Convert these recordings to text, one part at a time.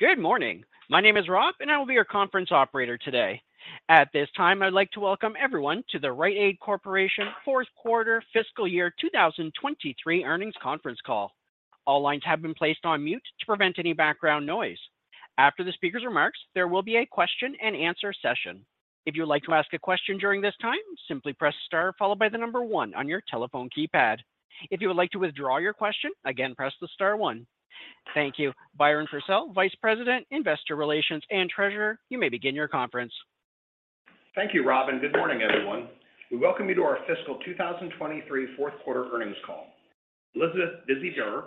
Good morning. My name is Rob, and I will be your conference operator today. At this time, I'd like to welcome everyone to the Rite Aid Corporation fourth quarter fiscal year 2023 earnings conference call. All lines have been placed on mute to prevent any background noise. After the speaker's remarks, there will be a question-and-answer session. If you would like to ask a question during this time, simply press star followed by the one on your telephone keypad. If you would like to withdraw your question, again, press the star one. Thank you. Byron Purcell, Vice President, Investor Relations, and Treasurer, you may begin your conference. Thank you, Rob. Good morning, everyone. We welcome you to our fiscal year 2023 fourth quarter earnings call. Elizabeth "Busy" Burr,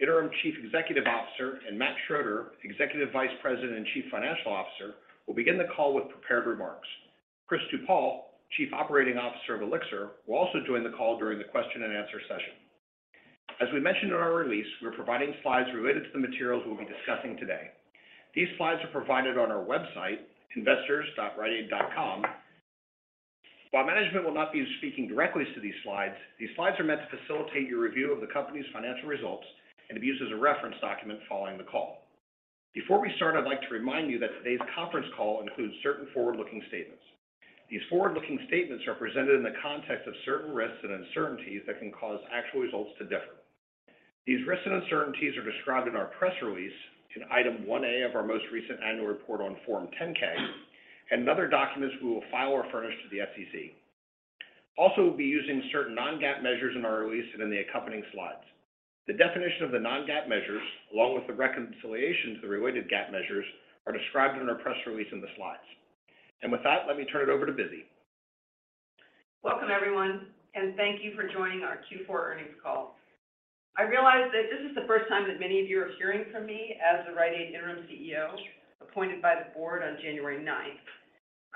Interim Chief Executive Officer, and Matt Schroeder, Executive Vice President and Chief Financial Officer, will begin the call with prepared remarks. Chris DuPaul, Chief Operating Officer of Elixir, will also join the call during the question-and-answer session. As we mentioned in our release, we're providing slides related to the materials we'll be discussing today. These slides are provided on our website, investors.riteaid.com. While management will not be speaking directly to these slides, these slides are meant to facilitate your review of the company's financial results and to be used as a reference document following the call. Before we start, I'd like to remind you that today's conference call includes certain forward-looking statements. These forward-looking statements are presented in the context of certain risks and uncertainties that can cause actual results to differ. These risks and uncertainties are described in our press release in Item 1A of our most recent annual report on Form 10-K and other documents we will file or furnish to the SEC. Also, we'll be using certain non-GAAP measures in our release and in the accompanying slides. The definition of the non-GAAP measures, along with the reconciliation to the related GAAP measures, are described in our press release in the slides. With that, let me turn it over to Busy. Welcome, everyone, thank you for joining our Q4 earnings call. I realize that this is the first time that many of you are hearing from me as the Rite Aid Interim CEO, appointed by the board on January 9.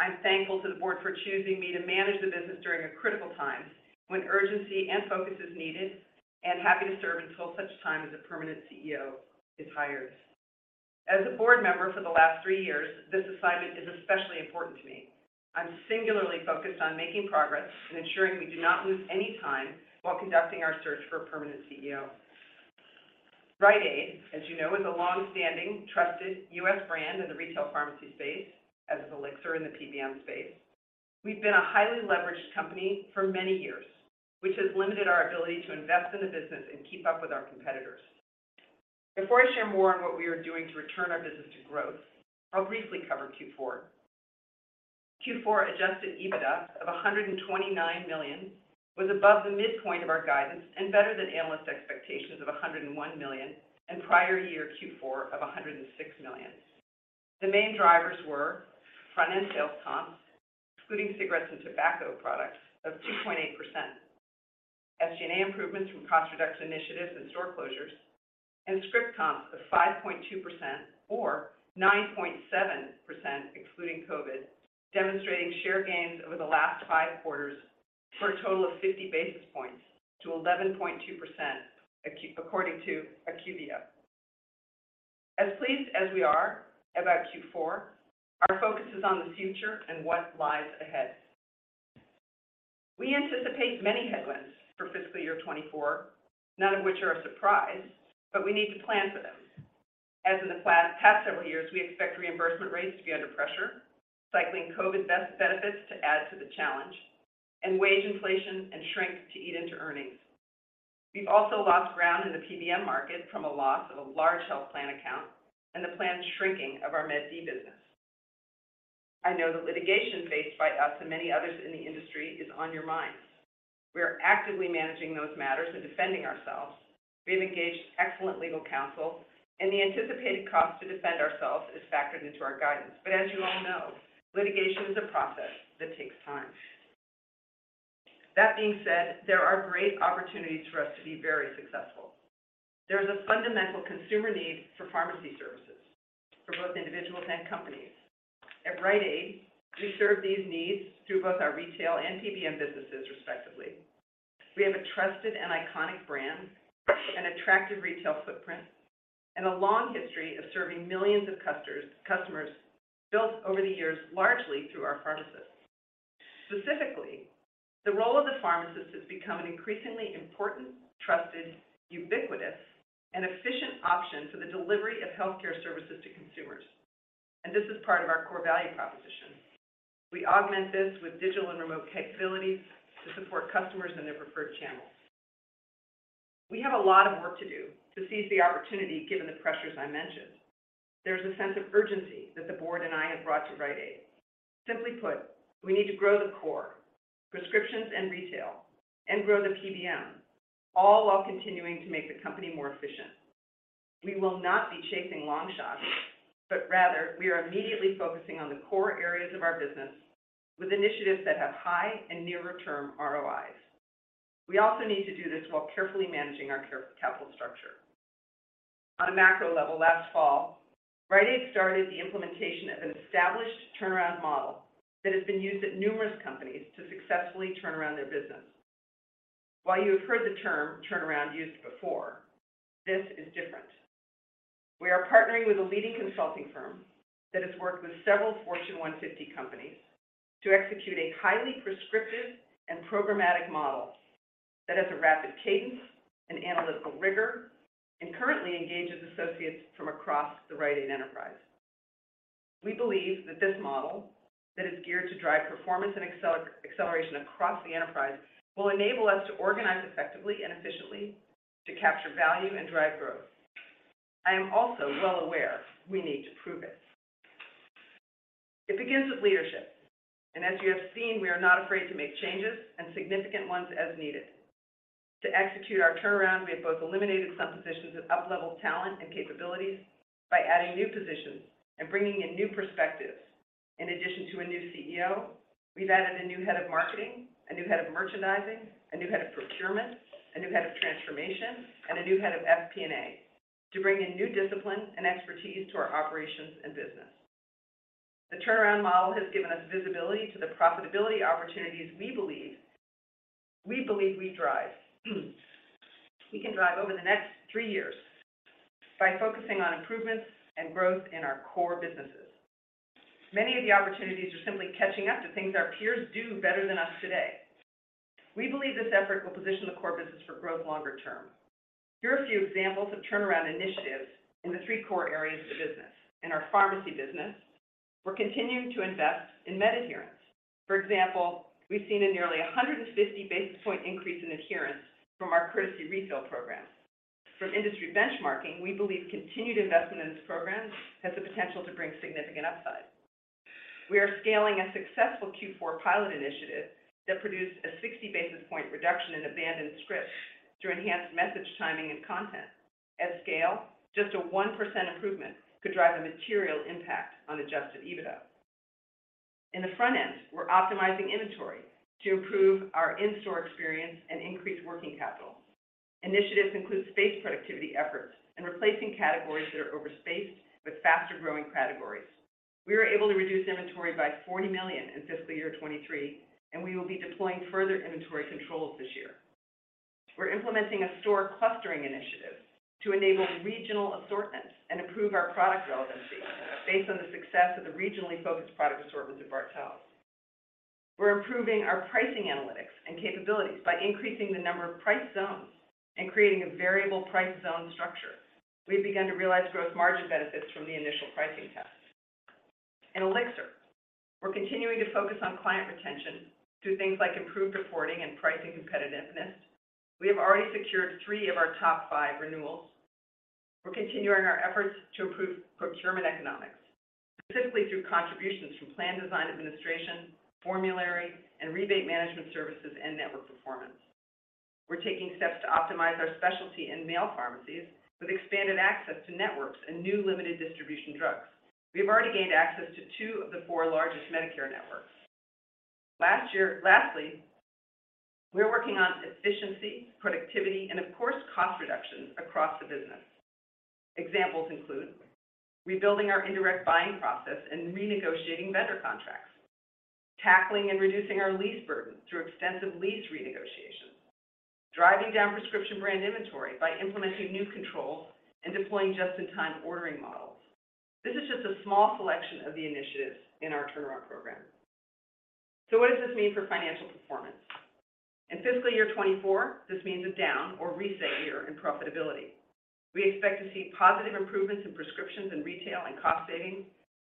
I'm thankful to the board for choosing me to manage the business during a critical time when urgency and focus is needed, and happy to serve until such time as a permanent CEO is hired. As a board member for the last three years, this assignment is especially important to me. I'm singularly focused on making progress and ensuring we do not lose any time while conducting our search for a permanent CEO. Rite Aid, as you know, is a long-standing, trusted U.S. brand in the retail pharmacy space, as is Elixir in the PBM space. We've been a highly leveraged company for many years, which has limited our ability to invest in the business and keep up with our competitors. Before I share more on what we are doing to return our business to growth, I'll briefly cover Q4. Q4 adjusted EBITDA of $129 million was above the midpoint of our guidance and better than analyst expectations of $101 million and prior year Q4 of $106 million. The main drivers were front-end sales comps, excluding cigarettes and tobacco products, of 2.8%. SG&A improvements from cost reduction initiatives and store closures and script comps of 5.2% or 9.7% excluding COVID, demonstrating share gains over the last five quarters for a total of 50 basis points to 11.2% according to IQVIA. As pleased as we are about Q4, our focus is on the future and what lies ahead. We anticipate many headwinds for fiscal year 2024, none of which are a surprise, but we need to plan for them. As in the past several years, we expect reimbursement rates to be under pressure, cycling COVID benefits to add to the challenge, and wage inflation and shrink to eat into earnings. We've also lost ground in the PBM market from a loss of a large health plan account and the planned shrinking of our Med D business. I know the litigation faced by us and many others in the industry is on your minds. We are actively managing those matters and defending ourselves. We have engaged excellent legal counsel, and the anticipated cost to defend ourselves is factored into our guidance. As you all know, litigation is a process that takes time. That being said, there are great opportunities for us to be very successful. There is a fundamental consumer need for pharmacy services for both individuals and companies. At Rite Aid, we serve these needs through both our retail and PBM businesses, respectively. We have a trusted and iconic brand, an attractive retail footprint, and a long history of serving millions of customers built over the years, largely through our pharmacists. Specifically, the role of the pharmacist has become an increasingly important, trusted, ubiquitous, and efficient option for the delivery of healthcare services to consumers. This is part of our core value proposition. We augment this with digital and remote capabilities to support customers in their preferred channels. We have a lot of work to do to seize the opportunity, given the pressures I mentioned. There's a sense of urgency that the board and I have brought to Rite Aid. Simply put, we need to grow the core, prescriptions and retail, and grow the PBM, all while continuing to make the company more efficient. We will not be chasing long shots, but rather, we are immediately focusing on the core areas of our business with initiatives that have high and nearer-term ROIs. We also need to do this while carefully managing our capital structure. On a macro level, last fall, Rite Aid started the implementation of an established turnaround model that has been used at numerous companies to successfully turn around their business. While you have heard the term turnaround used before, this is different. We are partnering with a leading consulting firm that has worked with several Fortune 150 companies to execute a highly prescriptive and programmatic model that has a rapid cadence, an analytical rigor, and currently engages associates from across the Rite Aid enterprise. We believe that this model that is geared to drive performance and acceleration across the enterprise will enable us to organize effectively and efficiently to capture value and drive growth. I am also well aware we need to prove it. It begins with leadership, and as you have seen, we are not afraid to make changes and significant ones as needed. To execute our turnaround, we have both eliminated some positions of up-level talent and capabilities by adding new positions and bringing in new perspectives. In addition to a new CEO, we've added a new head of marketing, a new head of merchandising, a new head of procurement, a new head of transformation, and a new head of FP&A to bring in new discipline and expertise to our operations and business. The turnaround model has given us visibility to the profitability opportunities we believe we drive. We can drive over the next three years by focusing on improvements and growth in our core businesses. Many of the opportunities are simply catching up to things our peers do better than us today. We believe this effort will position the core business for growth longer term. Here are a few examples of turnaround initiatives in the three core areas of the business. In our pharmacy business, we're continuing to invest in med adherence. For example, we've seen a nearly 150 basis point increase in adherence from our courtesy refill program. From industry benchmarking, we believe continued investment in this program has the potential to bring significant upside. We are scaling a successful Q4 pilot initiative that produced a 60 basis point reduction in abandoned scripts through enhanced message timing and content. At scale, just a 1% improvement could drive a material impact on adjusted EBITDA. In the front end, we're optimizing inventory to improve our in-store experience and increase working capital. Initiatives include space productivity efforts and replacing categories that are over spaced with faster-growing categories. We were able to reduce inventory by $40 million in fiscal year 2023, and we will be deploying further inventory controls this year. We're implementing a store clustering initiative to enable regional assortment and improve our product relevancy based on the success of the regionally focused product assortments of Bartell. We're improving our pricing analytics and capabilities by increasing the number of price zones and creating a variable price zone structure. We've begun to realize gross margin benefits from the initial pricing test. In Elixir, we're continuing to focus on client retention through things like improved reporting and pricing competitiveness. We have already secured three of our top five renewals. We're continuing our efforts to improve procurement economics, specifically through contributions from plan design administration, formulary, and rebate management services and network performance. We're taking steps to optimize our specialty in mail pharmacies with expanded access to networks and new limited distribution drugs. We've already gained access to two of the four largest Medicare networks. Lastly, we're working on efficiency, productivity, and of course, cost reductions across the business. Examples include rebuilding our indirect buying process and renegotiating vendor contracts, tackling and reducing our lease burden through extensive lease renegotiation, driving down prescription brand inventory by implementing new controls and deploying just-in-time ordering models. This is just a small selection of the initiatives in our turnaround program. What does this mean for financial performance? In fiscal year 2024, this means a down or reset year in profitability. We expect to see positive improvements in prescriptions in retail and cost savings,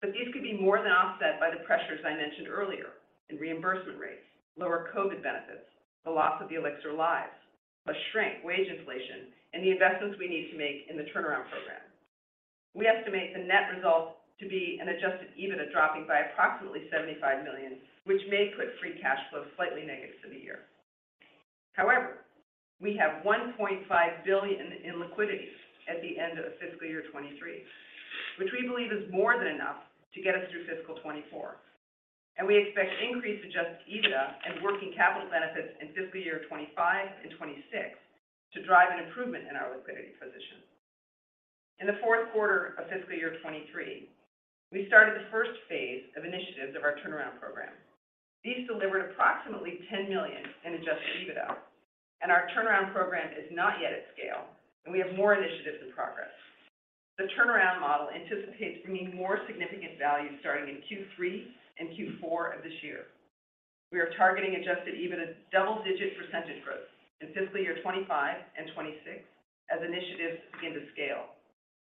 but these could be more than offset by the pressures I mentioned earlier in reimbursement rates, lower COVID benefits, the loss of the Elixir lives, a shrink wage inflation, and the investments we need to make in the turnaround program. We estimate the net result to be an adjusted EBITDA dropping by approximately $75 million, which may put free cash flow slightly negative for the year. However, we have $1.5 billion in liquidity at the end of fiscal year 2023, which we believe is more than enough to get us through fiscal year 2024. We expect increased adjusted EBITDA and working capital benefits in fiscal year 2025 and 2026 to drive an improvement in our liquidity position. In the fourth quarter of fiscal year 2023, we started the first phase of initiatives of our turnaround program. These delivered approximately $10 million in adjusted EBITDA. Our turnaround program is not yet at scale, and we have more initiatives in progress. The turnaround model anticipates bringing more significant value starting in Q3 and Q4 of this year. We are targeting adjusted EBITDA double-digit % growth in fiscal year 2025 and 2026 as initiatives begin to scale.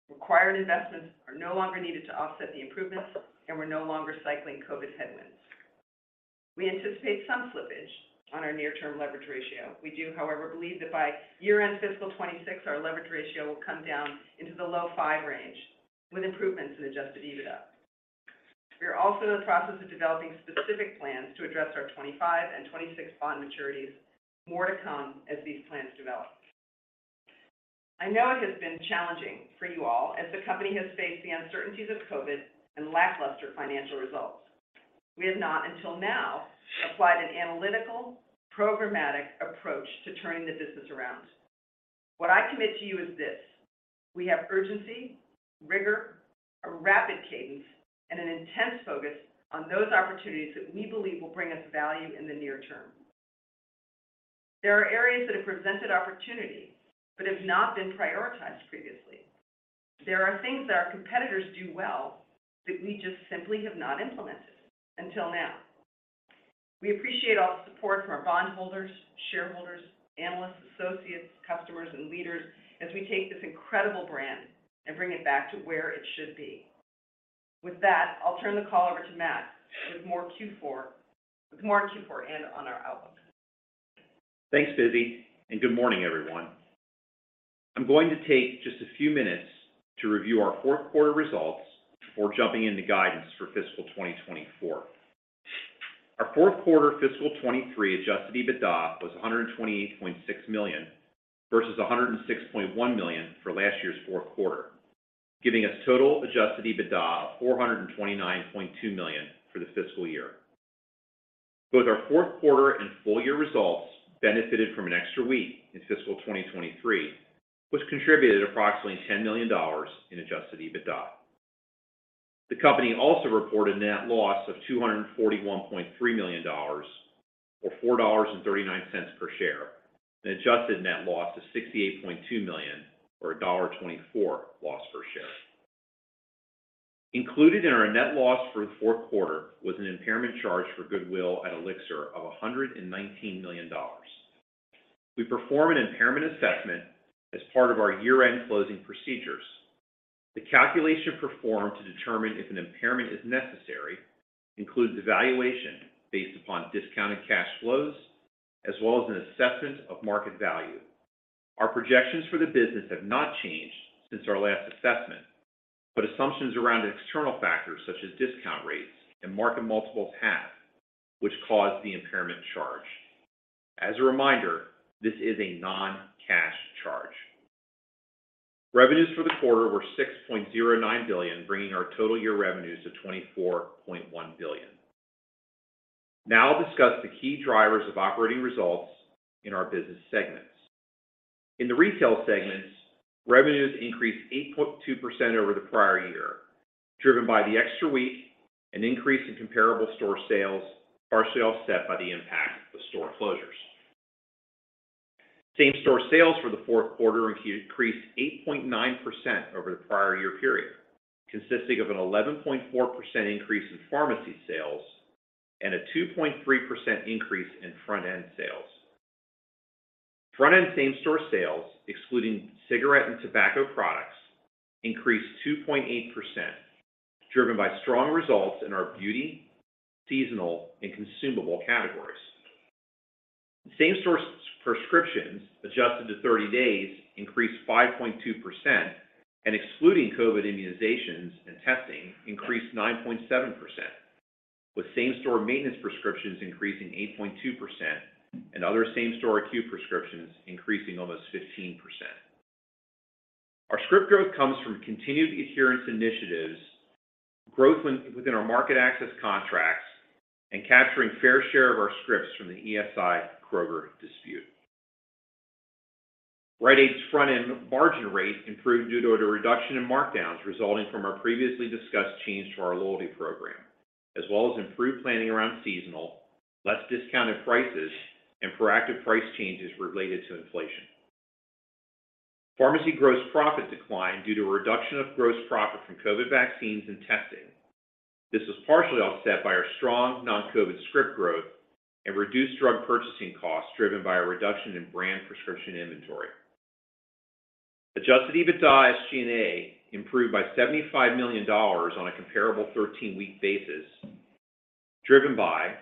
Required investments are no longer needed to offset the improvements, we're no longer cycling COVID headwinds. We anticipate some slippage on our near-term leverage ratio. We do, however, believe that by year-end fiscal year 2026, our leverage ratio will come down into the low five range with improvements in adjusted EBITDA. We are also in the process of developing specific plans to address our 2025 and 2026 bond maturities. More to come as these plans develop. I know it has been challenging for you all as the company has faced the uncertainties of COVID and lackluster financial results. We have not, until now, applied an analytical, programmatic approach to turning the business around. What I commit to you is this: We have urgency, rigor, a rapid cadence, and an intense focus on those opportunities that we believe will bring us value in the near term. There are areas that have presented opportunity but have not been prioritized previously. There are things that our competitors do well that we just simply have not implemented until now. We appreciate all the support from our bondholders, shareholders, analysts, associates, customers and leaders as we take this incredible brand and bring it back to where it should be. With that, I'll turn the call over to Matt with more on Q4 and on our outlook. Thanks, Busy. Good morning, everyone. I'm going to take just a few minutes to review our fourth quarter results before jumping into guidance for fiscal year 2024. Our fourth quarter fiscal year 2023 adjusted EBITDA was $128.6 million versus $106.1 million for last year's fourth quarter, giving us total adjusted EBITDA of $429.2 million for the fiscal year. Both our fourth quarter and full year results benefited from an extra week in fiscal year 2023, which contributed approximately $10 million in adjusted EBITDA. The company also reported a net loss of $241.3 million or $4.39 per share, an adjusted net loss of $68.2 million or a $1.24 loss per share. Included in our net loss for the fourth quarter was an impairment charge for goodwill at Elixir of $119 million. We perform an impairment assessment as part of our year-end closing procedures. The calculation performed to determine if an impairment is necessary includes a valuation based upon discounted cash flows as well as an assessment of market value. Our projections for the business have not changed since our last assessment, assumptions around external factors such as discount rates and market multiples have, which caused the impairment charge. As a reminder, this is a non-cash charge. Revenues for the quarter were $6.09 billion, bringing our total year revenues to $24.1 billion. I'll discuss the key drivers of operating results in our business segments. In the retail segments, revenues increased 8.2% over the prior year, driven by the extra week, an increase in comparable store sales, partially offset by the impact of the store closures. Same-store sales for the fourth quarter increased 8.9% over the prior year period, consisting of an 11.4% increase in pharmacy sales and a 2.3% increase in front-end sales. Front-end same-store sales, excluding cigarette and tobacco products, increased 2.8%, driven by strong results in our beauty, seasonal, and consumable categories. Same-store prescriptions adjusted to 30 days increased 5.2% and excluding COVID immunizations and testing increased 9.7%, with same-store maintenance prescriptions increasing 8.2% and other same-store acute prescriptions increasing almost 15%. Our script growth comes from continued adherence initiatives, growth within our market access contracts, and capturing fair share of our scripts from the ESI Kroger dispute. Rite Aid's front-end margin rate improved due to a reduction in markdowns resulting from our previously discussed change to our loyalty program, as well as improved planning around seasonal, less discounted prices and proactive price changes related to inflation. Pharmacy gross profit declined due to a reduction of gross profit from COVID vaccines and testing. This was partially offset by our strong non-COVID script growth and reduced drug purchasing costs driven by a reduction in brand prescription inventory. Adjusted EBITDA SG&A improved by $75 million on a comparable 13-week basis, driven by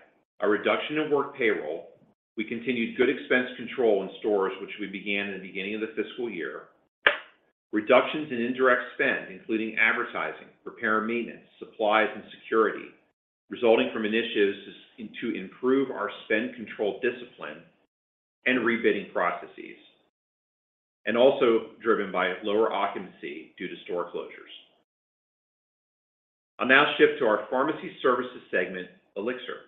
a reduction in work payroll. We continued good expense control in stores, which we began in the beginning of the fiscal year. Reductions in indirect spend, including advertising, repair and maintenance, supplies and security, resulting from initiatives to improve our spend control discipline and rebidding processes, and also driven by lower occupancy due to store closures. I'll now shift to our pharmacy services segment, Elixir.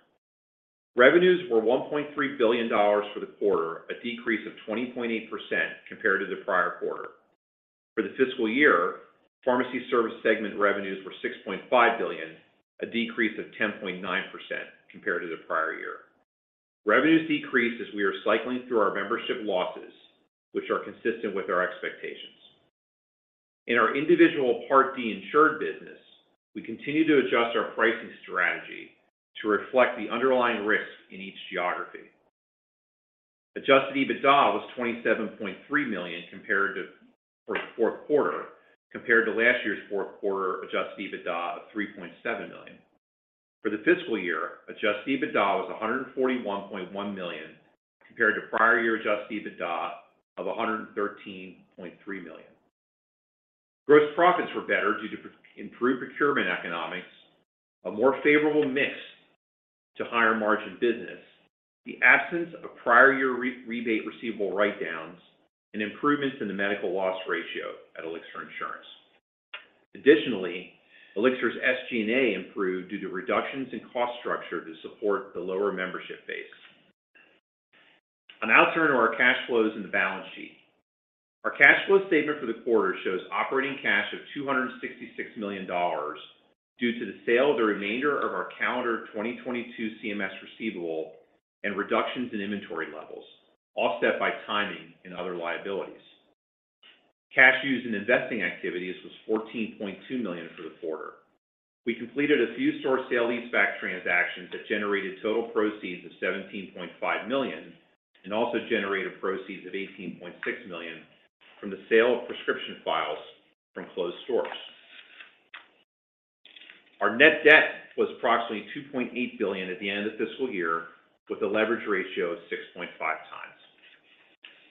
Revenues were $1.3 billion for the quarter, a decrease of 20.8% compared to the prior quarter. For the fiscal year, pharmacy service segment revenues were $6.5 billion, a decrease of 10.9% compared to the prior year. Revenues decreased as we are cycling through our membership losses, which are consistent with our expectations. In our individual Part D insured business, we continue to adjust our pricing strategy to reflect the underlying risk in each geography. Adjusted EBITDA was $27.3 million for the fourth quarter compared to last year's fourth quarter adjusted EBITDA of $3.7 million. For the fiscal year, adjusted EBITDA was $141.1 million compared to prior year adjusted EBITDA of $113.3 million. Gross profits were better due to improved procurement economics, a more favorable mix to higher-margin business, the absence of prior year re-rebate receivable write-downs, and improvements in the medical loss ratio at Elixir Insurance. Elixir's SG&A improved due to reductions in cost structure to support the lower membership base. I'll now turn to our cash flows and the balance sheet. Our cash flow statement for the quarter shows operating cash of $266 million due to the sale of the remainder of our calendar 2022 CMS receivable and reductions in inventory levels, offset by timing and other liabilities. Cash used in investing activities was $14.2 million for the quarter. We completed a few store sale leaseback transactions that generated total proceeds of $17.5 million and also generated proceeds of $18.6 million from the sale of prescription files from closed stores. Our net debt was approximately $2.8 billion at the end of the fiscal year, with a leverage ratio of 6.5x.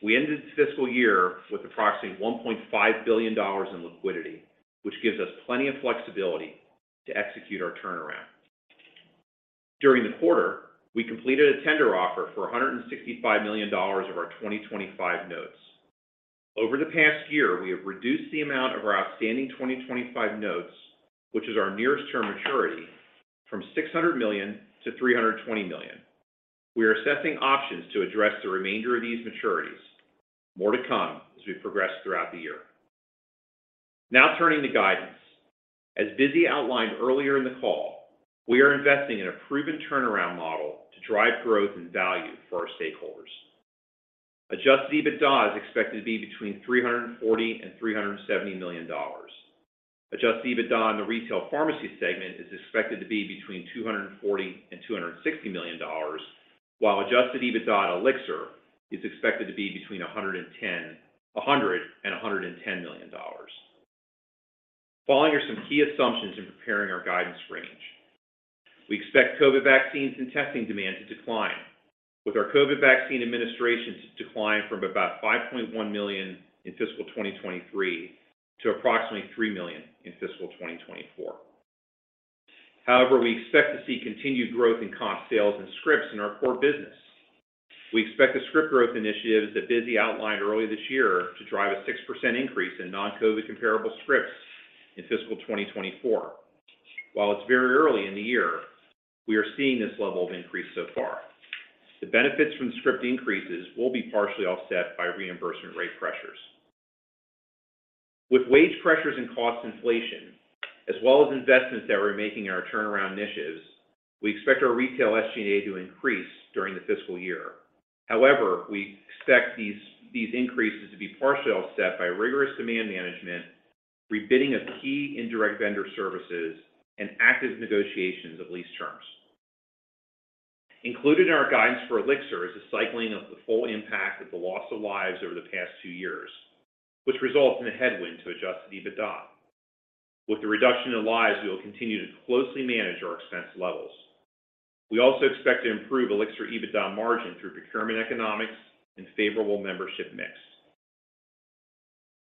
We ended the fiscal year with approximately $1.5 billion in liquidity, which gives us plenty of flexibility to execute our turnaround. During the quarter, we completed a tender offer for $165 million of our 2025 notes. Over the past year, we have reduced the amount of our outstanding 2025 notes, which is our nearest term maturity, from $600 million to $320 million. We are assessing options to address the remainder of these maturities. More to come as we progress throughout the year. Turning to guidance. As Busy outlined earlier in the call, we are investing in a proven turnaround model to drive growth and value for our stakeholders. Adjusted EBITDA is expected to be between $340 million and $370 million. Adjusted EBITDA in the Retail Pharmacy segment is expected to be between $240 million and $260 million, while adjusted EBITDA at Elixir is expected to be between $100 million and $110 million. Following are some key assumptions in preparing our guidance range. We expect COVID vaccines and testing demand to decline, with our COVID vaccine administrations to decline from about 5.1 million in fiscal year 2023 to approximately three million in fiscal year 2024. We expect to see continued growth in comp sales and scripts in our core business. We expect the script growth initiatives that Busy outlined early this year to drive a 6% increase in non-COVID comparable scripts in fiscal year 2024. While it's very early in the year, we are seeing this level of increase so far. The benefits from script increases will be partially offset by reimbursement rate pressures. With wage pressures and cost inflation, as well as investments that we're making in our turnaround initiatives, we expect our retail SG&A to increase during the fiscal year. We expect these increases to be partially offset by rigorous demand management, rebidding of key indirect vendor services, and active negotiations of lease terms. Included in our guidance for Elixir is the cycling of the full impact of the loss of lives over the past two years, which results in a headwind to adjusted EBITDA. With the reduction in lives, we will continue to closely manage our expense levels. We also expect to improve Elixir EBITDA margin through procurement economics and favorable membership mix.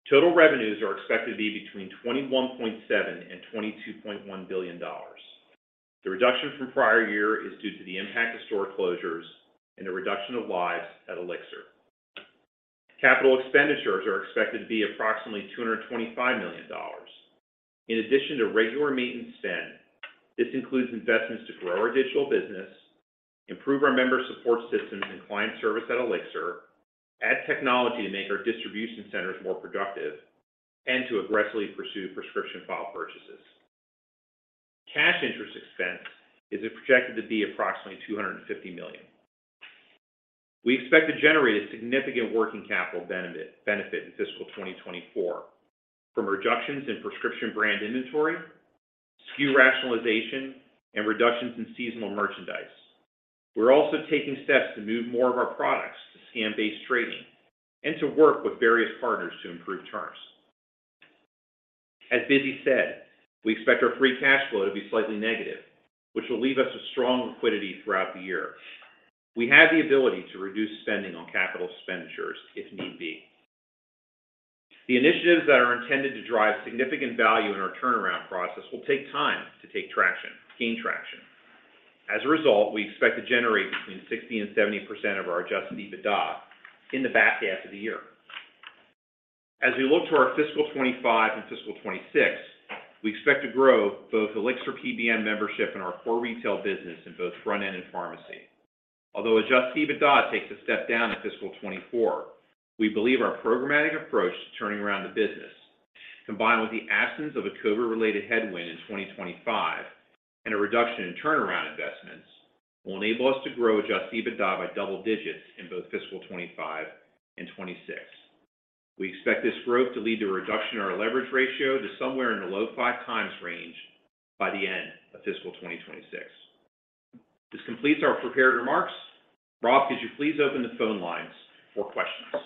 Total revenues are expected to be between $21.7 billion and $22.1 billion. The reduction from prior year is due to the impact of store closures and a reduction of lives at Elixir. Capital expenditures are expected to be approximately $225 million. In addition to regular maintenance spend, this includes investments to grow our digital business, improve our member support systems and client service at Elixir, add technology to make our distribution centers more productive, and to aggressively pursue prescription file purchases. Cash interest expense is projected to be approximately $250 million. We expect to generate a significant working capital benefit in fiscal year 2024 from reductions in prescription brand inventory, SKU rationalization, and reductions in seasonal merchandise. We're also taking steps to move more of our products to scan-based trading and to work with various partners to improve terms. As Busy said, we expect our free cash flow to be slightly negative, which will leave us with strong liquidity throughout the year. We have the ability to reduce spending on capital expenditures if need be. The initiatives that are intended to drive significant value in our turnaround process will take time to gain traction. As a result, we expect to generate between 60% and 70% of our adjusted EBITDA in the back half of the year. As we look to our fiscal year 2025 and fiscal year 2026, we expect to grow both Elixir PBM membership and our core retail business in both front-end and pharmacy. Although adjusted EBITDA takes a step down in fiscal year 2024, we believe our programmatic approach to turning around the business, combined with the absence of a COVID-related headwind in 2025 and a reduction in turnaround investments, will enable us to grow adjusted EBITDA by double digits in both fiscal year 2025 and 2026. We expect this growth to lead to a reduction in our leverage ratio to somewhere in the low five times range by the end of fiscal year 2026. This completes our prepared remarks. Rob, could you please open the phone lines for questions?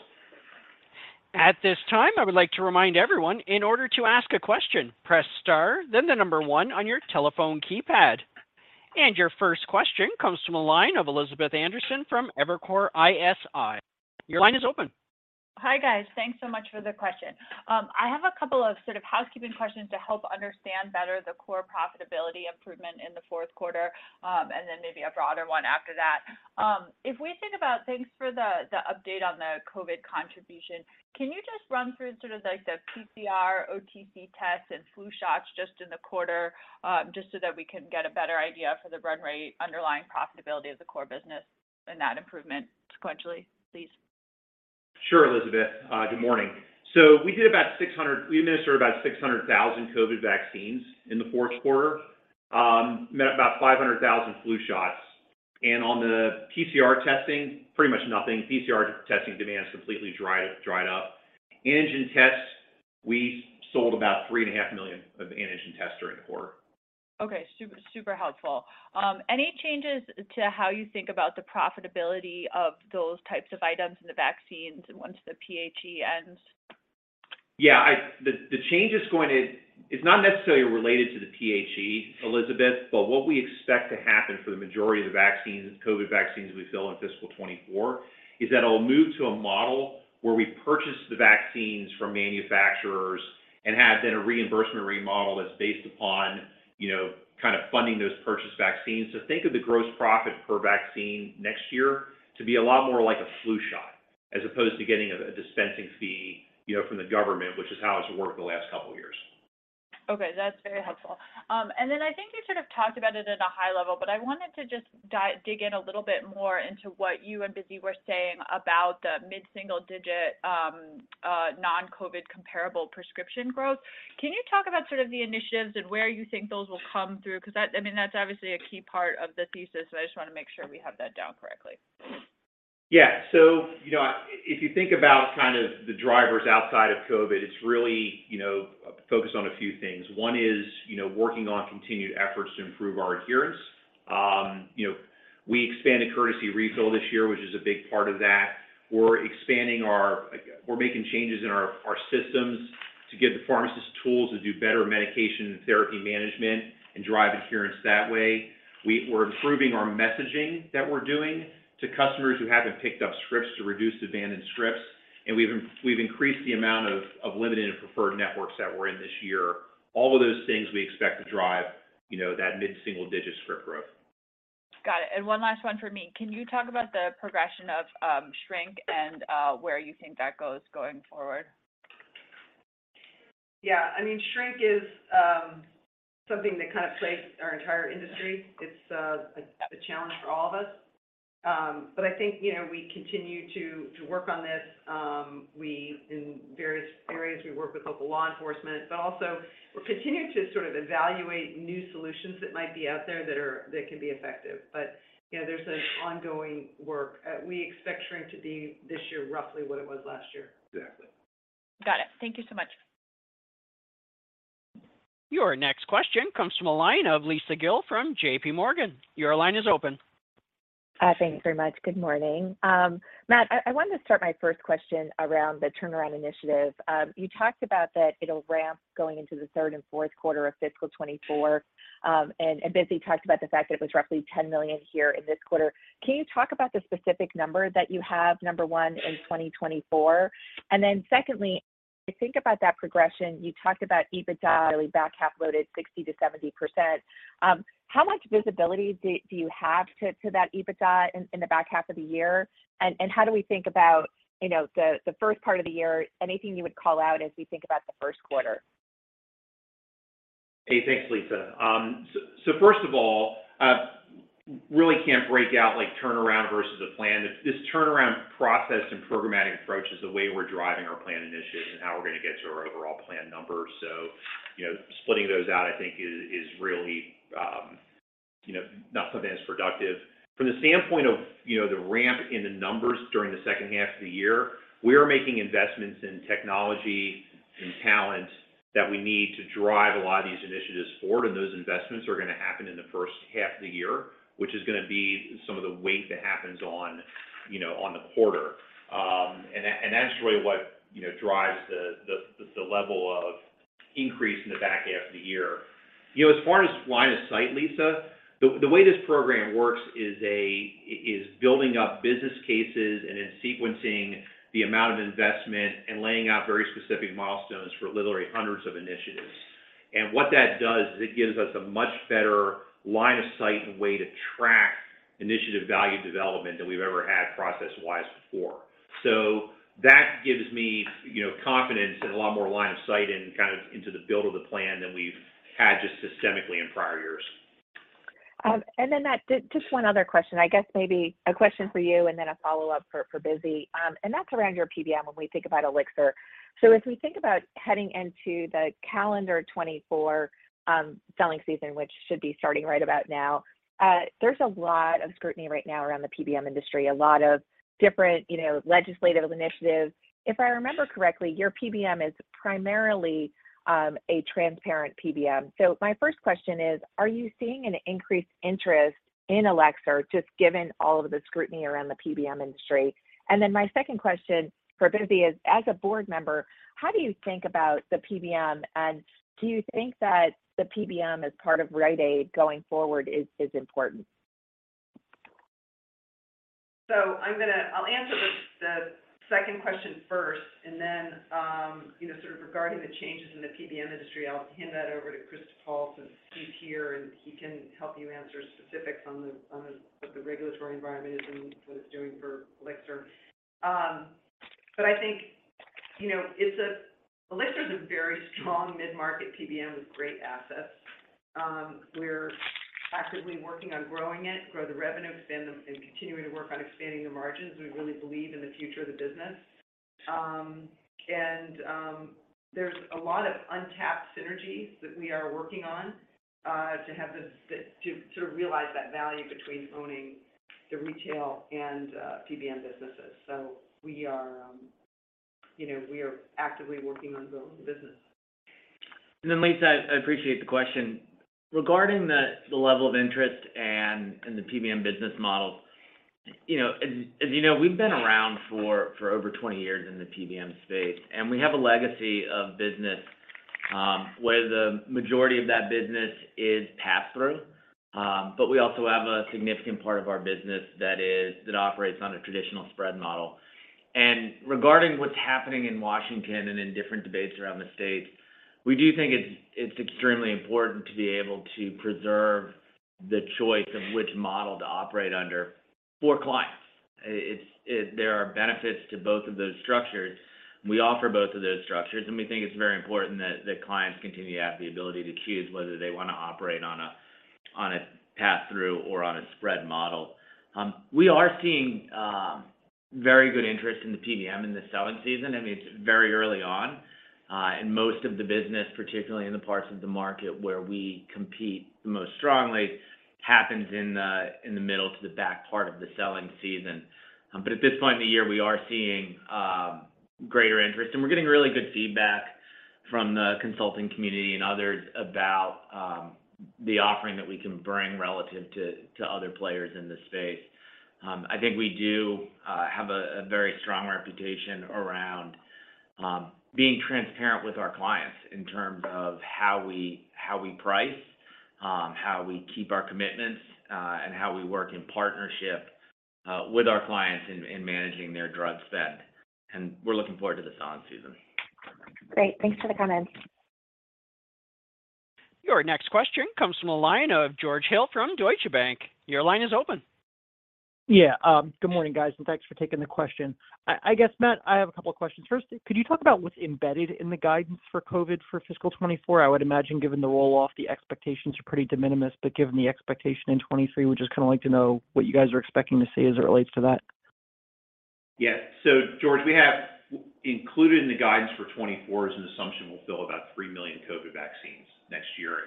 At this time, I would like to remind everyone, in order to ask a question, press star then the one on your telephone keypad. Your first question comes from a line of Elizabeth Anderson from Evercore ISI. Your line is open. Hi guys. Thanks so much for the question. I have a couple of sort of housekeeping questions to help understand better the core profitability improvement in the fourth quarter, and then maybe a broader one after that. If we think about things for the update on the COVID contribution, can you just run through sort of like the PCR, OTC tests, and flu shots just in the quarter, just so that we can get a better idea for the run rate underlying profitability of the core business? In that improvement sequentially, please. Sure, Elizabeth. Good morning. We administered about 600,000 COVID vaccines in the fourth quarter, about 500,000 flu shots. On the PCR testing, pretty much nothing. PCR testing demand is completely dried up. Antigen tests, we sold about 3.5 million of antigen tests during the quarter. Okay. Super, super helpful. Any changes to how you think about the profitability of those types of items and the vaccines once the PHE ends? Yeah, it's not necessarily related to the PHE, Elizabeth, but what we expect to happen for the majority of the vaccines, COVID vaccines we fill in fiscal year 2024, is that it'll move to a model where we purchase the vaccines from manufacturers and have then a reimbursement remodel that's based upon, you know, kind of funding those purchased vaccines. Think of the gross profit per vaccine next year to be a lot more like a flu shot, as opposed to getting a dispensing fee, you know, from the government, which is how it's worked the last couple of years. That's very helpful. I think you sort of talked about it at a high level, but I wanted to just dig in a little bit more into what you and Busy were saying about the mid-single digit, non-COVID comparable prescription growth. Can you talk about sort of the initiatives and where you think those will come through? That, I mean, that's obviously a key part of the thesis, so I just wanna make sure we have that down correctly. If you think about kind of the drivers outside of COVID, it's really, you know, focused on a few things. One is, you know, working on continued efforts to improve our adherence. you know, we expanded courtesy refill this year, which is a big part of that. we're making changes in our systems to give the pharmacist tools to do better medication and therapy management and drive adherence that way. we're improving our messaging that we're doing to customers who haven't picked up scripts to reduce abandoned scripts. we've increased the amount of limited and preferred networks that we're in this year. All of those things we expect to drive, you know, that mid-single digit script growth. Got it. One last one from me. Can you talk about the progression of shrink and where you think that goes going forward? Yeah. I mean, shrink is something that kind of plagues our entire industry. It's a challenge for all of us. I think, you know, we continue to work on this. In various areas, we work with local law enforcement, also we're continuing to sort of evaluate new solutions that might be out there that can be effective. You know, there's an ongoing work. We expect shrink to be this year roughly what it was last year. Exactly. Got it. Thank you so much. Your next question comes from a line of Lisa Gill from JPMorgan. Your line is open. Thank you very much. Good morning. Matt, I wanted to start my first question around the turnaround initiative. You talked about that it'll ramp going into the third and fourth quarter of fiscal year 2024. Busy talked about the fact that it was roughly $10 million here in this quarter. Can you talk about the specific number that you have, number one, in 2024? Secondly, when we think about that progression, you talked about EBITDA really back half loaded 60%-70%. How much visibility do you have to that EBITDA in the back half of the year? How do we think about, you know, the first part of the year, anything you would call out as we think about the first quarter? Hey, thanks, Lisa. First of all, really can't break out like turnaround versus a plan. This turnaround process and programmatic approach is the way we're driving our plan initiatives and how we're gonna get to our overall plan number. You know, splitting those out, I think, is really, you know, not something that's productive. From the standpoint of, you know, the ramp in the numbers during the 2nd half of the year, we are making investments in technology and talent that we need to drive a lot of these initiatives forward, and those investments are gonna happen in the 1st half of the year, which is gonna be some of the weight that happens on, you know, on the quarter. And that's really what, you know, drives the level of increase in the back half of the year. You know, as far as line of sight, Lisa, the way this program works is building up business cases and then sequencing the amount of investment and laying out very specific milestones for literally hundreds of initiatives. What that does is it gives us a much better line of sight and way to track initiative value development than we've ever had process-wise before. That gives me, you know, confidence and a lot more line of sight and kind of into the build of the plan than we've had just systemically in prior years. Matt, just one other question. I guess maybe a question for you and then a follow-up for Busy. That's around your PBM when we think about Elixir. If we think about heading into the calendar 2024 selling season, which should be starting right about now, there's a lot of scrutiny right now around the PBM industry, a lot of different, you know, legislative initiatives. If I remember correctly, your PBM is primarily a transparent PBM. My first question is, are you seeing an increased interest in Elixir just given all of the scrutiny around the PBM industry? My second question for Busy is, as a board member, how do you think about the PBM, and do you think that the PBM as part of Rite Aid going forward is important? I'll answer the second question first. You know, sort of regarding the changes in the PBM industry, I'll hand that over to Chris DuPaul since he's here, and he can help you answer specifics on what the regulatory environment is and what it's doing for Elixir. I think you know, Elixir's a very strong mid-market PBM with great assets. We're actively working on growing it, grow the revenue spend and continuing to work on expanding the margins. We really believe in the future of the business. There's a lot of untapped synergies that we are working on to realize that value between owning the retail and PBM businesses. We are, you know, we are actively working on growing the business. Lisa, I appreciate the question. Regarding the level of interest and the PBM business model, you know, as you know, we've been around for over 20 years in the PBM space, and we have a legacy of business where the majority of that business is pass-through. But we also have a significant part of our business that operates on a traditional spread model. Regarding what's happening in Washington and in different debates around the states, we do think it's extremely important to be able to preserve the choice of which model to operate under for clients. There are benefits to both of those structures. We offer both of those structures, and we think it's very important that clients continue to have the ability to choose whether they wanna operate on a pass-through or on a spread model. We are seeing very good interest in the PBM in the selling season. I mean, it's very early on, and most of the business, particularly in the parts of the market where we compete the most strongly, happens in the middle to the back part of the selling season. At this point in the year, we are seeing greater interest, and we're getting really good feedback from the consulting community and others about the offering that we can bring relative to other players in this space. I think we do have a very strong reputation around being transparent with our clients in terms of how we, how we price, how we keep our commitments, and how we work in partnership with our clients in managing their drug spend. We're looking forward to the selling season. Great. Thanks for the comments. Your next question comes from the line of George Hill from Deutsche Bank. Your line is open. Yeah. Good morning, guys. Thanks for taking the question. I guess, Matt, I have a couple of questions. First, could you talk about what's embedded in the guidance for COVID for fiscal year 2024? I would imagine given the roll-off, the expectations are pretty de minimis, but given the expectation in 2023, we'd just kind of like to know what you guys are expecting to see as it relates to that. Yeah. George, we have included in the guidance for 2024 is an assumption we'll fill about three million COVID vaccines next year.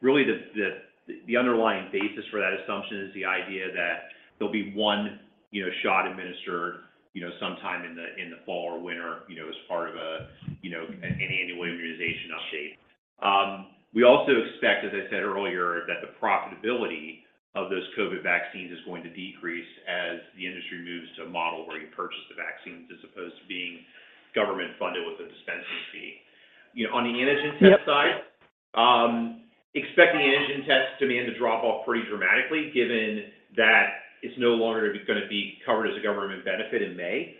Really the underlying basis for that assumption is the idea that there'll be one, you know, shot administered, you know, sometime in the fall or winter, you know, as part of a, you know, an annual immunization update. We also expect, as I said earlier, that the profitability of those COVID vaccines is going to decrease as the industry moves to a model where you purchase the vaccines as opposed to being government funded with a dispensing fee. You know, on the antigen test side, expect the antigen test demand to drop off pretty dramatically given that it's no longer gonna be covered as a government benefit in May.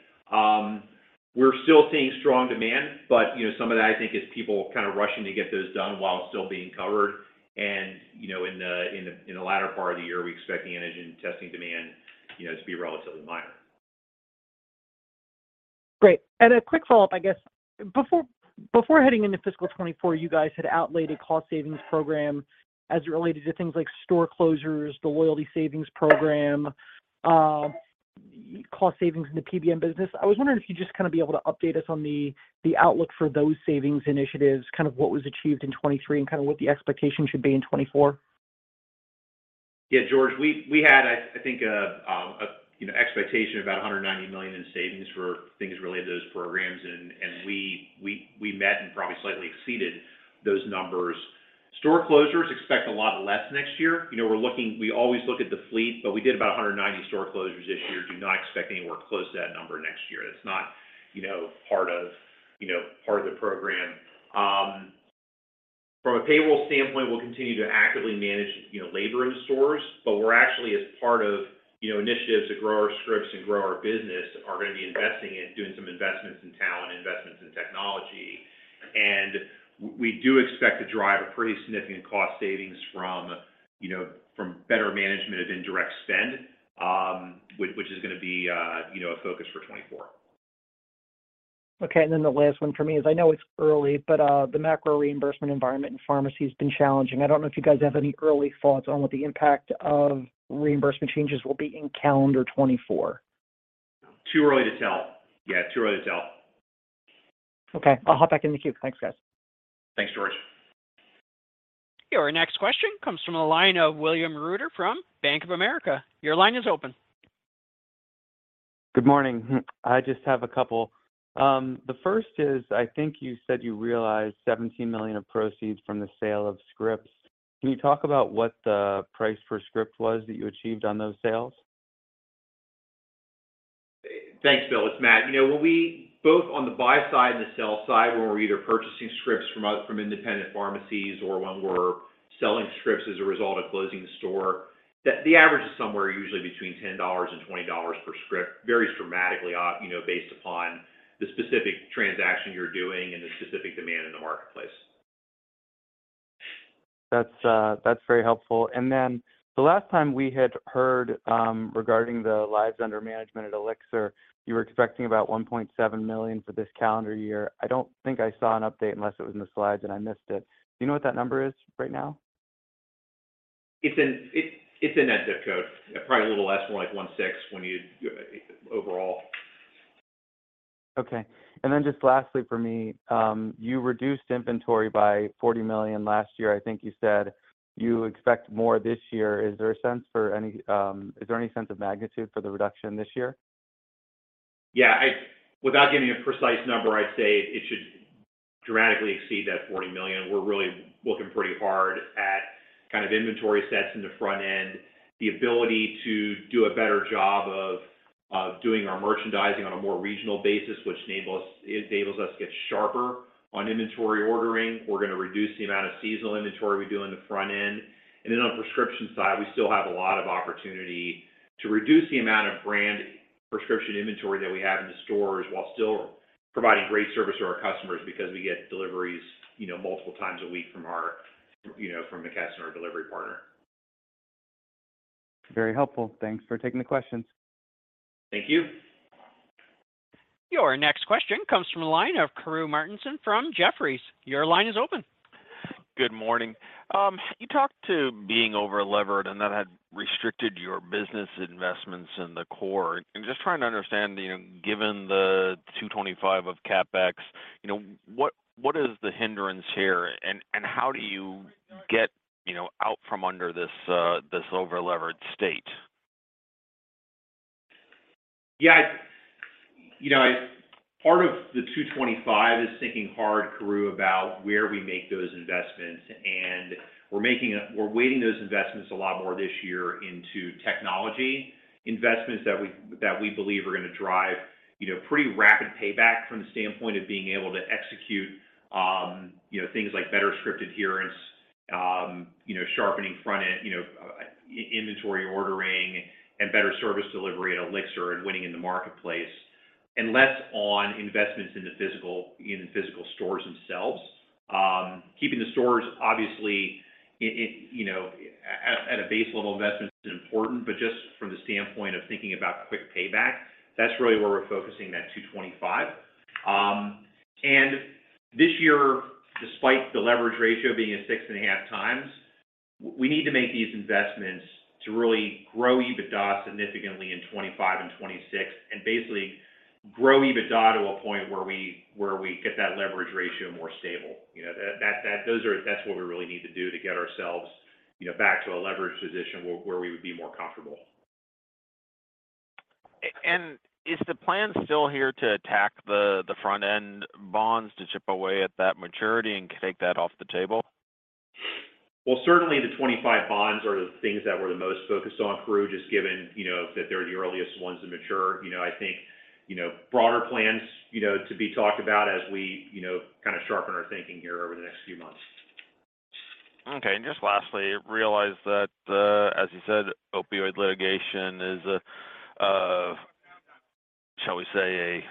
We're still seeing strong demand, but, you know, some of that I think is people kind of rushing to get those done while still being covered. You know, in the latter part of the year, we expect the antigen testing demand, you know, to be relatively minor. Great. A quick follow-up, I guess. Before heading into fiscal year 2024, you guys had outlaid a cost savings program as it related to things like store closures, the loyalty savings program, cost savings in the PBM business. I was wondering if you'd just kind of be able to update us on the outlook for those savings initiatives, kind of what was achieved in 2023 and kind of what the expectation should be in 2024. Yeah, George. We had, I think a, you know, expectation of about $190 million in savings for things related to those programs. We met and probably slightly exceeded those numbers. Store closures expect a lot less next year. You know, we always look at the fleet, but we did about 190 store closures this year. Do not expect anywhere close to that number next year. That's not, you know, part of, you know, part of the program. From a payroll standpoint, we'll continue to actively manage, you know, labor in stores, but we're actually as part of, you know, initiatives to grow our scripts and grow our business are gonna be investing in doing some investments in talent, investments in technology. We do expect to drive a pretty significant cost savings from, you know, from better management of indirect spend, which is gonna be, you know, a focus for 2024. Okay. Then the last one for me is I know it's early, but the macro reimbursement environment in pharmacy has been challenging. I don't know if you guys have any early thoughts on what the impact of reimbursement changes will be in calendar 2024. Too early to tell. Yeah, too early to tell. Okay. I'll hop back in the queue. Thanks, guys. Thanks, George. Your next question comes from the line of William Reuter from Bank of America. Your line is open. Good morning. I just have a couple. The first is, I think you said you realized $17 million of proceeds from the sale of scripts. Can you talk about what the price per script was that you achieved on those sales? Thanks, Bill. It's Matt. You know, when we both on the buy side and the sell side, when we're either purchasing scripts from independent pharmacies or when we're selling scripts as a result of closing the store, the average is somewhere usually between $10 and $20 per script. Varies dramatically you know, based upon the specific transaction you're doing and the specific demand in the marketplace. That's very helpful. The last time we had heard, regarding the lives under management at Elixir, you were expecting about 1.7 million for this calendar year. I don't think I saw an update unless it was in the slides and I missed it. Do you know what that number is right now? It's in that zip code. Probably a little less, more like 16 overall. Okay. Just lastly for me, you reduced inventory by $40 million last year. I think you said you expect more this year. Is there any sense of magnitude for the reduction this year? Yeah. Without giving a precise number, I'd say it should dramatically exceed that $40 million. We're really looking pretty hard at kind of inventory sets in the front end, the ability to do a better job of doing our merchandising on a more regional basis, which enables us to get sharper on inventory ordering. We're gonna reduce the amount of seasonal inventory we do on the front end. On the prescription side, we still have a lot of opportunity to reduce the amount of brand prescription inventory that we have in the stores while still providing great service to our customers because we get deliveries, you know, multiple times a week from our, you know, from McKesson, our delivery partner. Very helpful. Thanks for taking the questions. Thank you. Your next question comes from the line of Karru Martinson from Jefferies. Your line is open. Good morning. You talked to being over-levered, and that had restricted your business investments in the core. I'm just trying to understand, you know, given the $225 of CapEx, you know, what is the hindrance here? How do you get, you know, out from under this over-levered state? Yeah. You know, part of the $225 is thinking hard, Karru, about where we make those investments. We're weighting those investments a lot more this year into technology investments that we, that we believe are gonna drive, you know, pretty rapid payback from the standpoint of being able to execute, you know, things like better script adherence, you know, sharpening front-end, you know, inventory ordering and better service delivery at Elixir and winning in the marketplace, and less on investments in the physical, in the physical stores themselves. Keeping the stores, obviously, you know, at a base level investment is important, but just from the standpoint of thinking about quick payback, that's really where we're focusing that $225. This year, despite the leverage ratio being at 6.5x, we need to make these investments to really grow EBITDA significantly in 2025 and 2026, and basically grow EBITDA to a point where we get that leverage ratio more stable. You know, that's what we really need to do to get ourselves, you know, back to a leverage position where we would be more comfortable. Is the plan still here to attack the front-end bonds to chip away at that maturity and take that off the table? Well, certainly the 2025 bonds are the things that we're the most focused on, Karru, just given, you know, that they're the earliest ones to mature. You know, I think, you know, broader plans, you know, to be talked about as we, you know, kind of sharpen our thinking here over the next few months. Okay. Just lastly, I realize that, as you said, opioid litigation is a, shall we say,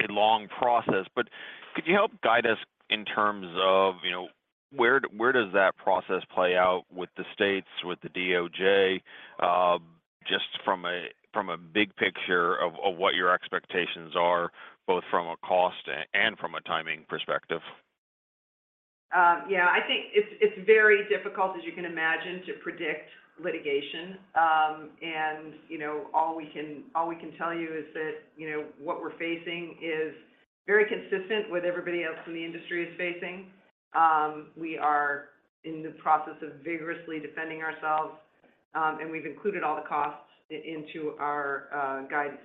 a long process. Could you help guide us in terms of, you know, where does that process play out with the states, with the DOJ, just from a big picture of what your expectations are, both from a cost and from a timing perspective? Yeah. I think it's very difficult, as you can imagine, to predict litigation. You know, all we can tell you is that, you know, what we're facing is very consistent with everybody else in the industry is facing. We are in the process of vigorously defending ourselves, and we've included all the costs into our guidance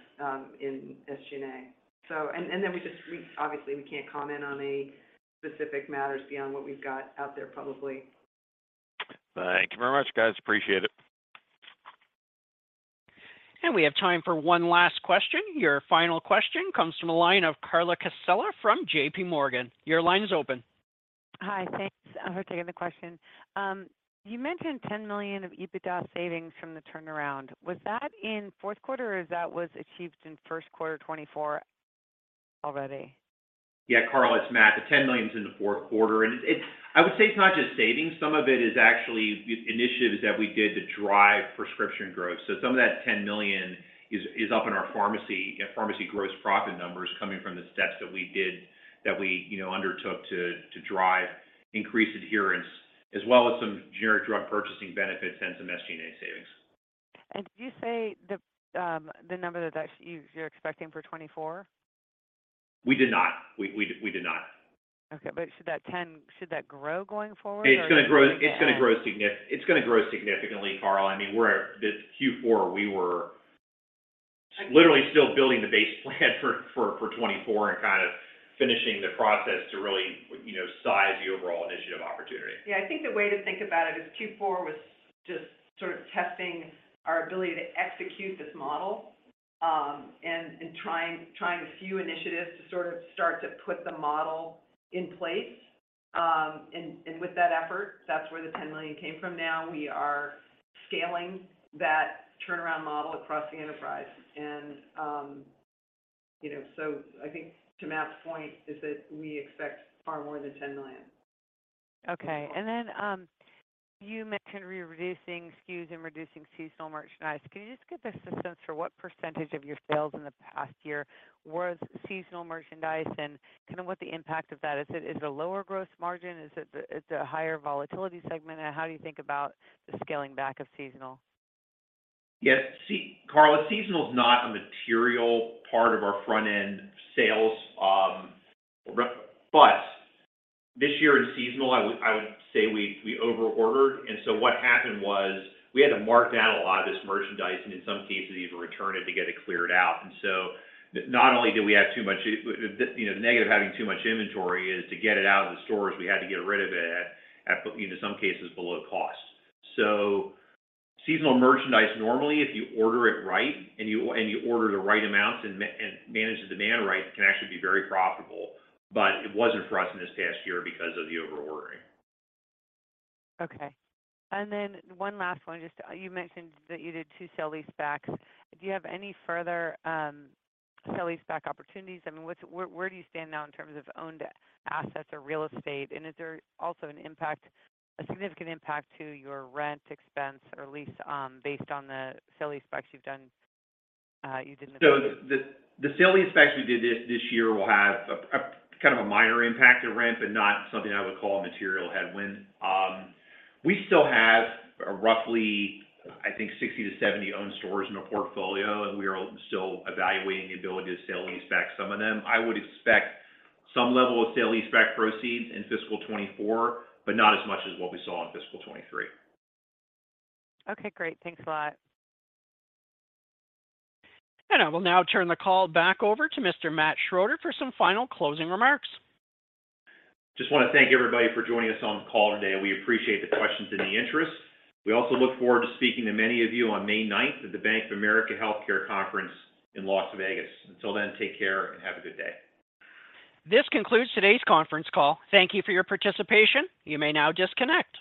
in SG&A. We obviously we can't comment on any specific matters beyond what we've got out there publicly. Thank you very much, guys. Appreciate it. We have time for one last question. Your final question comes from the line of Carla Casella from JPMorgan. Your line is open. Hi. Thanks for taking the question. You mentioned $10 million of EBITDA savings from the turnaround. Was that in fourth quarter, or that was achieved in first quarter 2024 already? Yeah, Carla, it's Matt. The $10 million is in the fourth quarter. It's, I would say it's not just savings. Some of it is actually initiatives that we did to drive prescription growth. Some of that $10 million is up in our pharmacy gross profit numbers coming from the steps that we did, that we, you know, undertook to drive increased adherence, as well as some generic drug purchasing benefits and some SG&A savings. Did you say the number that you're expecting for 2024? We did not. We did not. Okay. Should that grow going forward? It's gonna grow significantly, Carla. I mean, we're the Q4, we were literally still building the base plan for 2024 and kind of finishing the process to really, you know, size the overall initiative opportunity. Yeah. I think the way to think about it is Q4 was just sort of testing our ability to execute this model, and trying a few initiatives to sort of start to put the model in place. And with that effort, that's where the $10 million came from. Now we are scaling that turnaround model across the enterprise. You know, I think to Matt's point is that we expect far more than $10 million. Okay. You mentioned re-reducing SKUs and reducing seasonal merchandise. Can you just give us a sense for what percentage of your sales in the past year was seasonal merchandise, and kind of what the impact of that is? Is it a lower growth margin? Is it a higher volatility segment? How do you think about the scaling back of seasonal? Yeah. Carla, seasonal is not a material part of our front-end sales. This year in seasonal, I would say we over-ordered. What happened was we had to mark down a lot of this merchandise, and in some cases even return it to get it cleared out. Not only did we have too much, you know, the negative of having too much inventory is to get it out of the stores, we had to get rid of it at, you know, some cases below cost. Seasonal merchandise, normally, if you order it right and you order the right amounts and manage the demand right, it can actually be very profitable. It wasn't for us in this past year because of the over-ordering. Okay. One last one. Just you mentioned that you did two sale leasebacks. Do you have any further, sale leaseback opportunities? I mean, where do you stand now in terms of owned assets or real estate? Is there also an impact, a significant impact to your rent expense or lease, based on the sale leasebacks you've done, you did in the previous-. The sale leasebacks we did this year will have a kind of a minor impact to rent, but not something I would call a material headwind. We still have roughly, I think 60 to 70 owned stores in our portfolio, and we are still evaluating the ability to sale leaseback some of them. I would expect some level of sale leaseback proceeds in fiscal year 2024, but not as much as what we saw in fiscal year 2023. Okay, great. Thanks a lot. I will now turn the call back over to Mr. Matt Schroeder for some final closing remarks. Just wanna thank everybody for joining us on the call today. We appreciate the questions and the interest. We also look forward to speaking to many of you on May 9th at the Bank of America Healthcare Conference in Las Vegas. Until then, take care and have a good day. This concludes today's conference call. Thank you for your participation. You may now disconnect.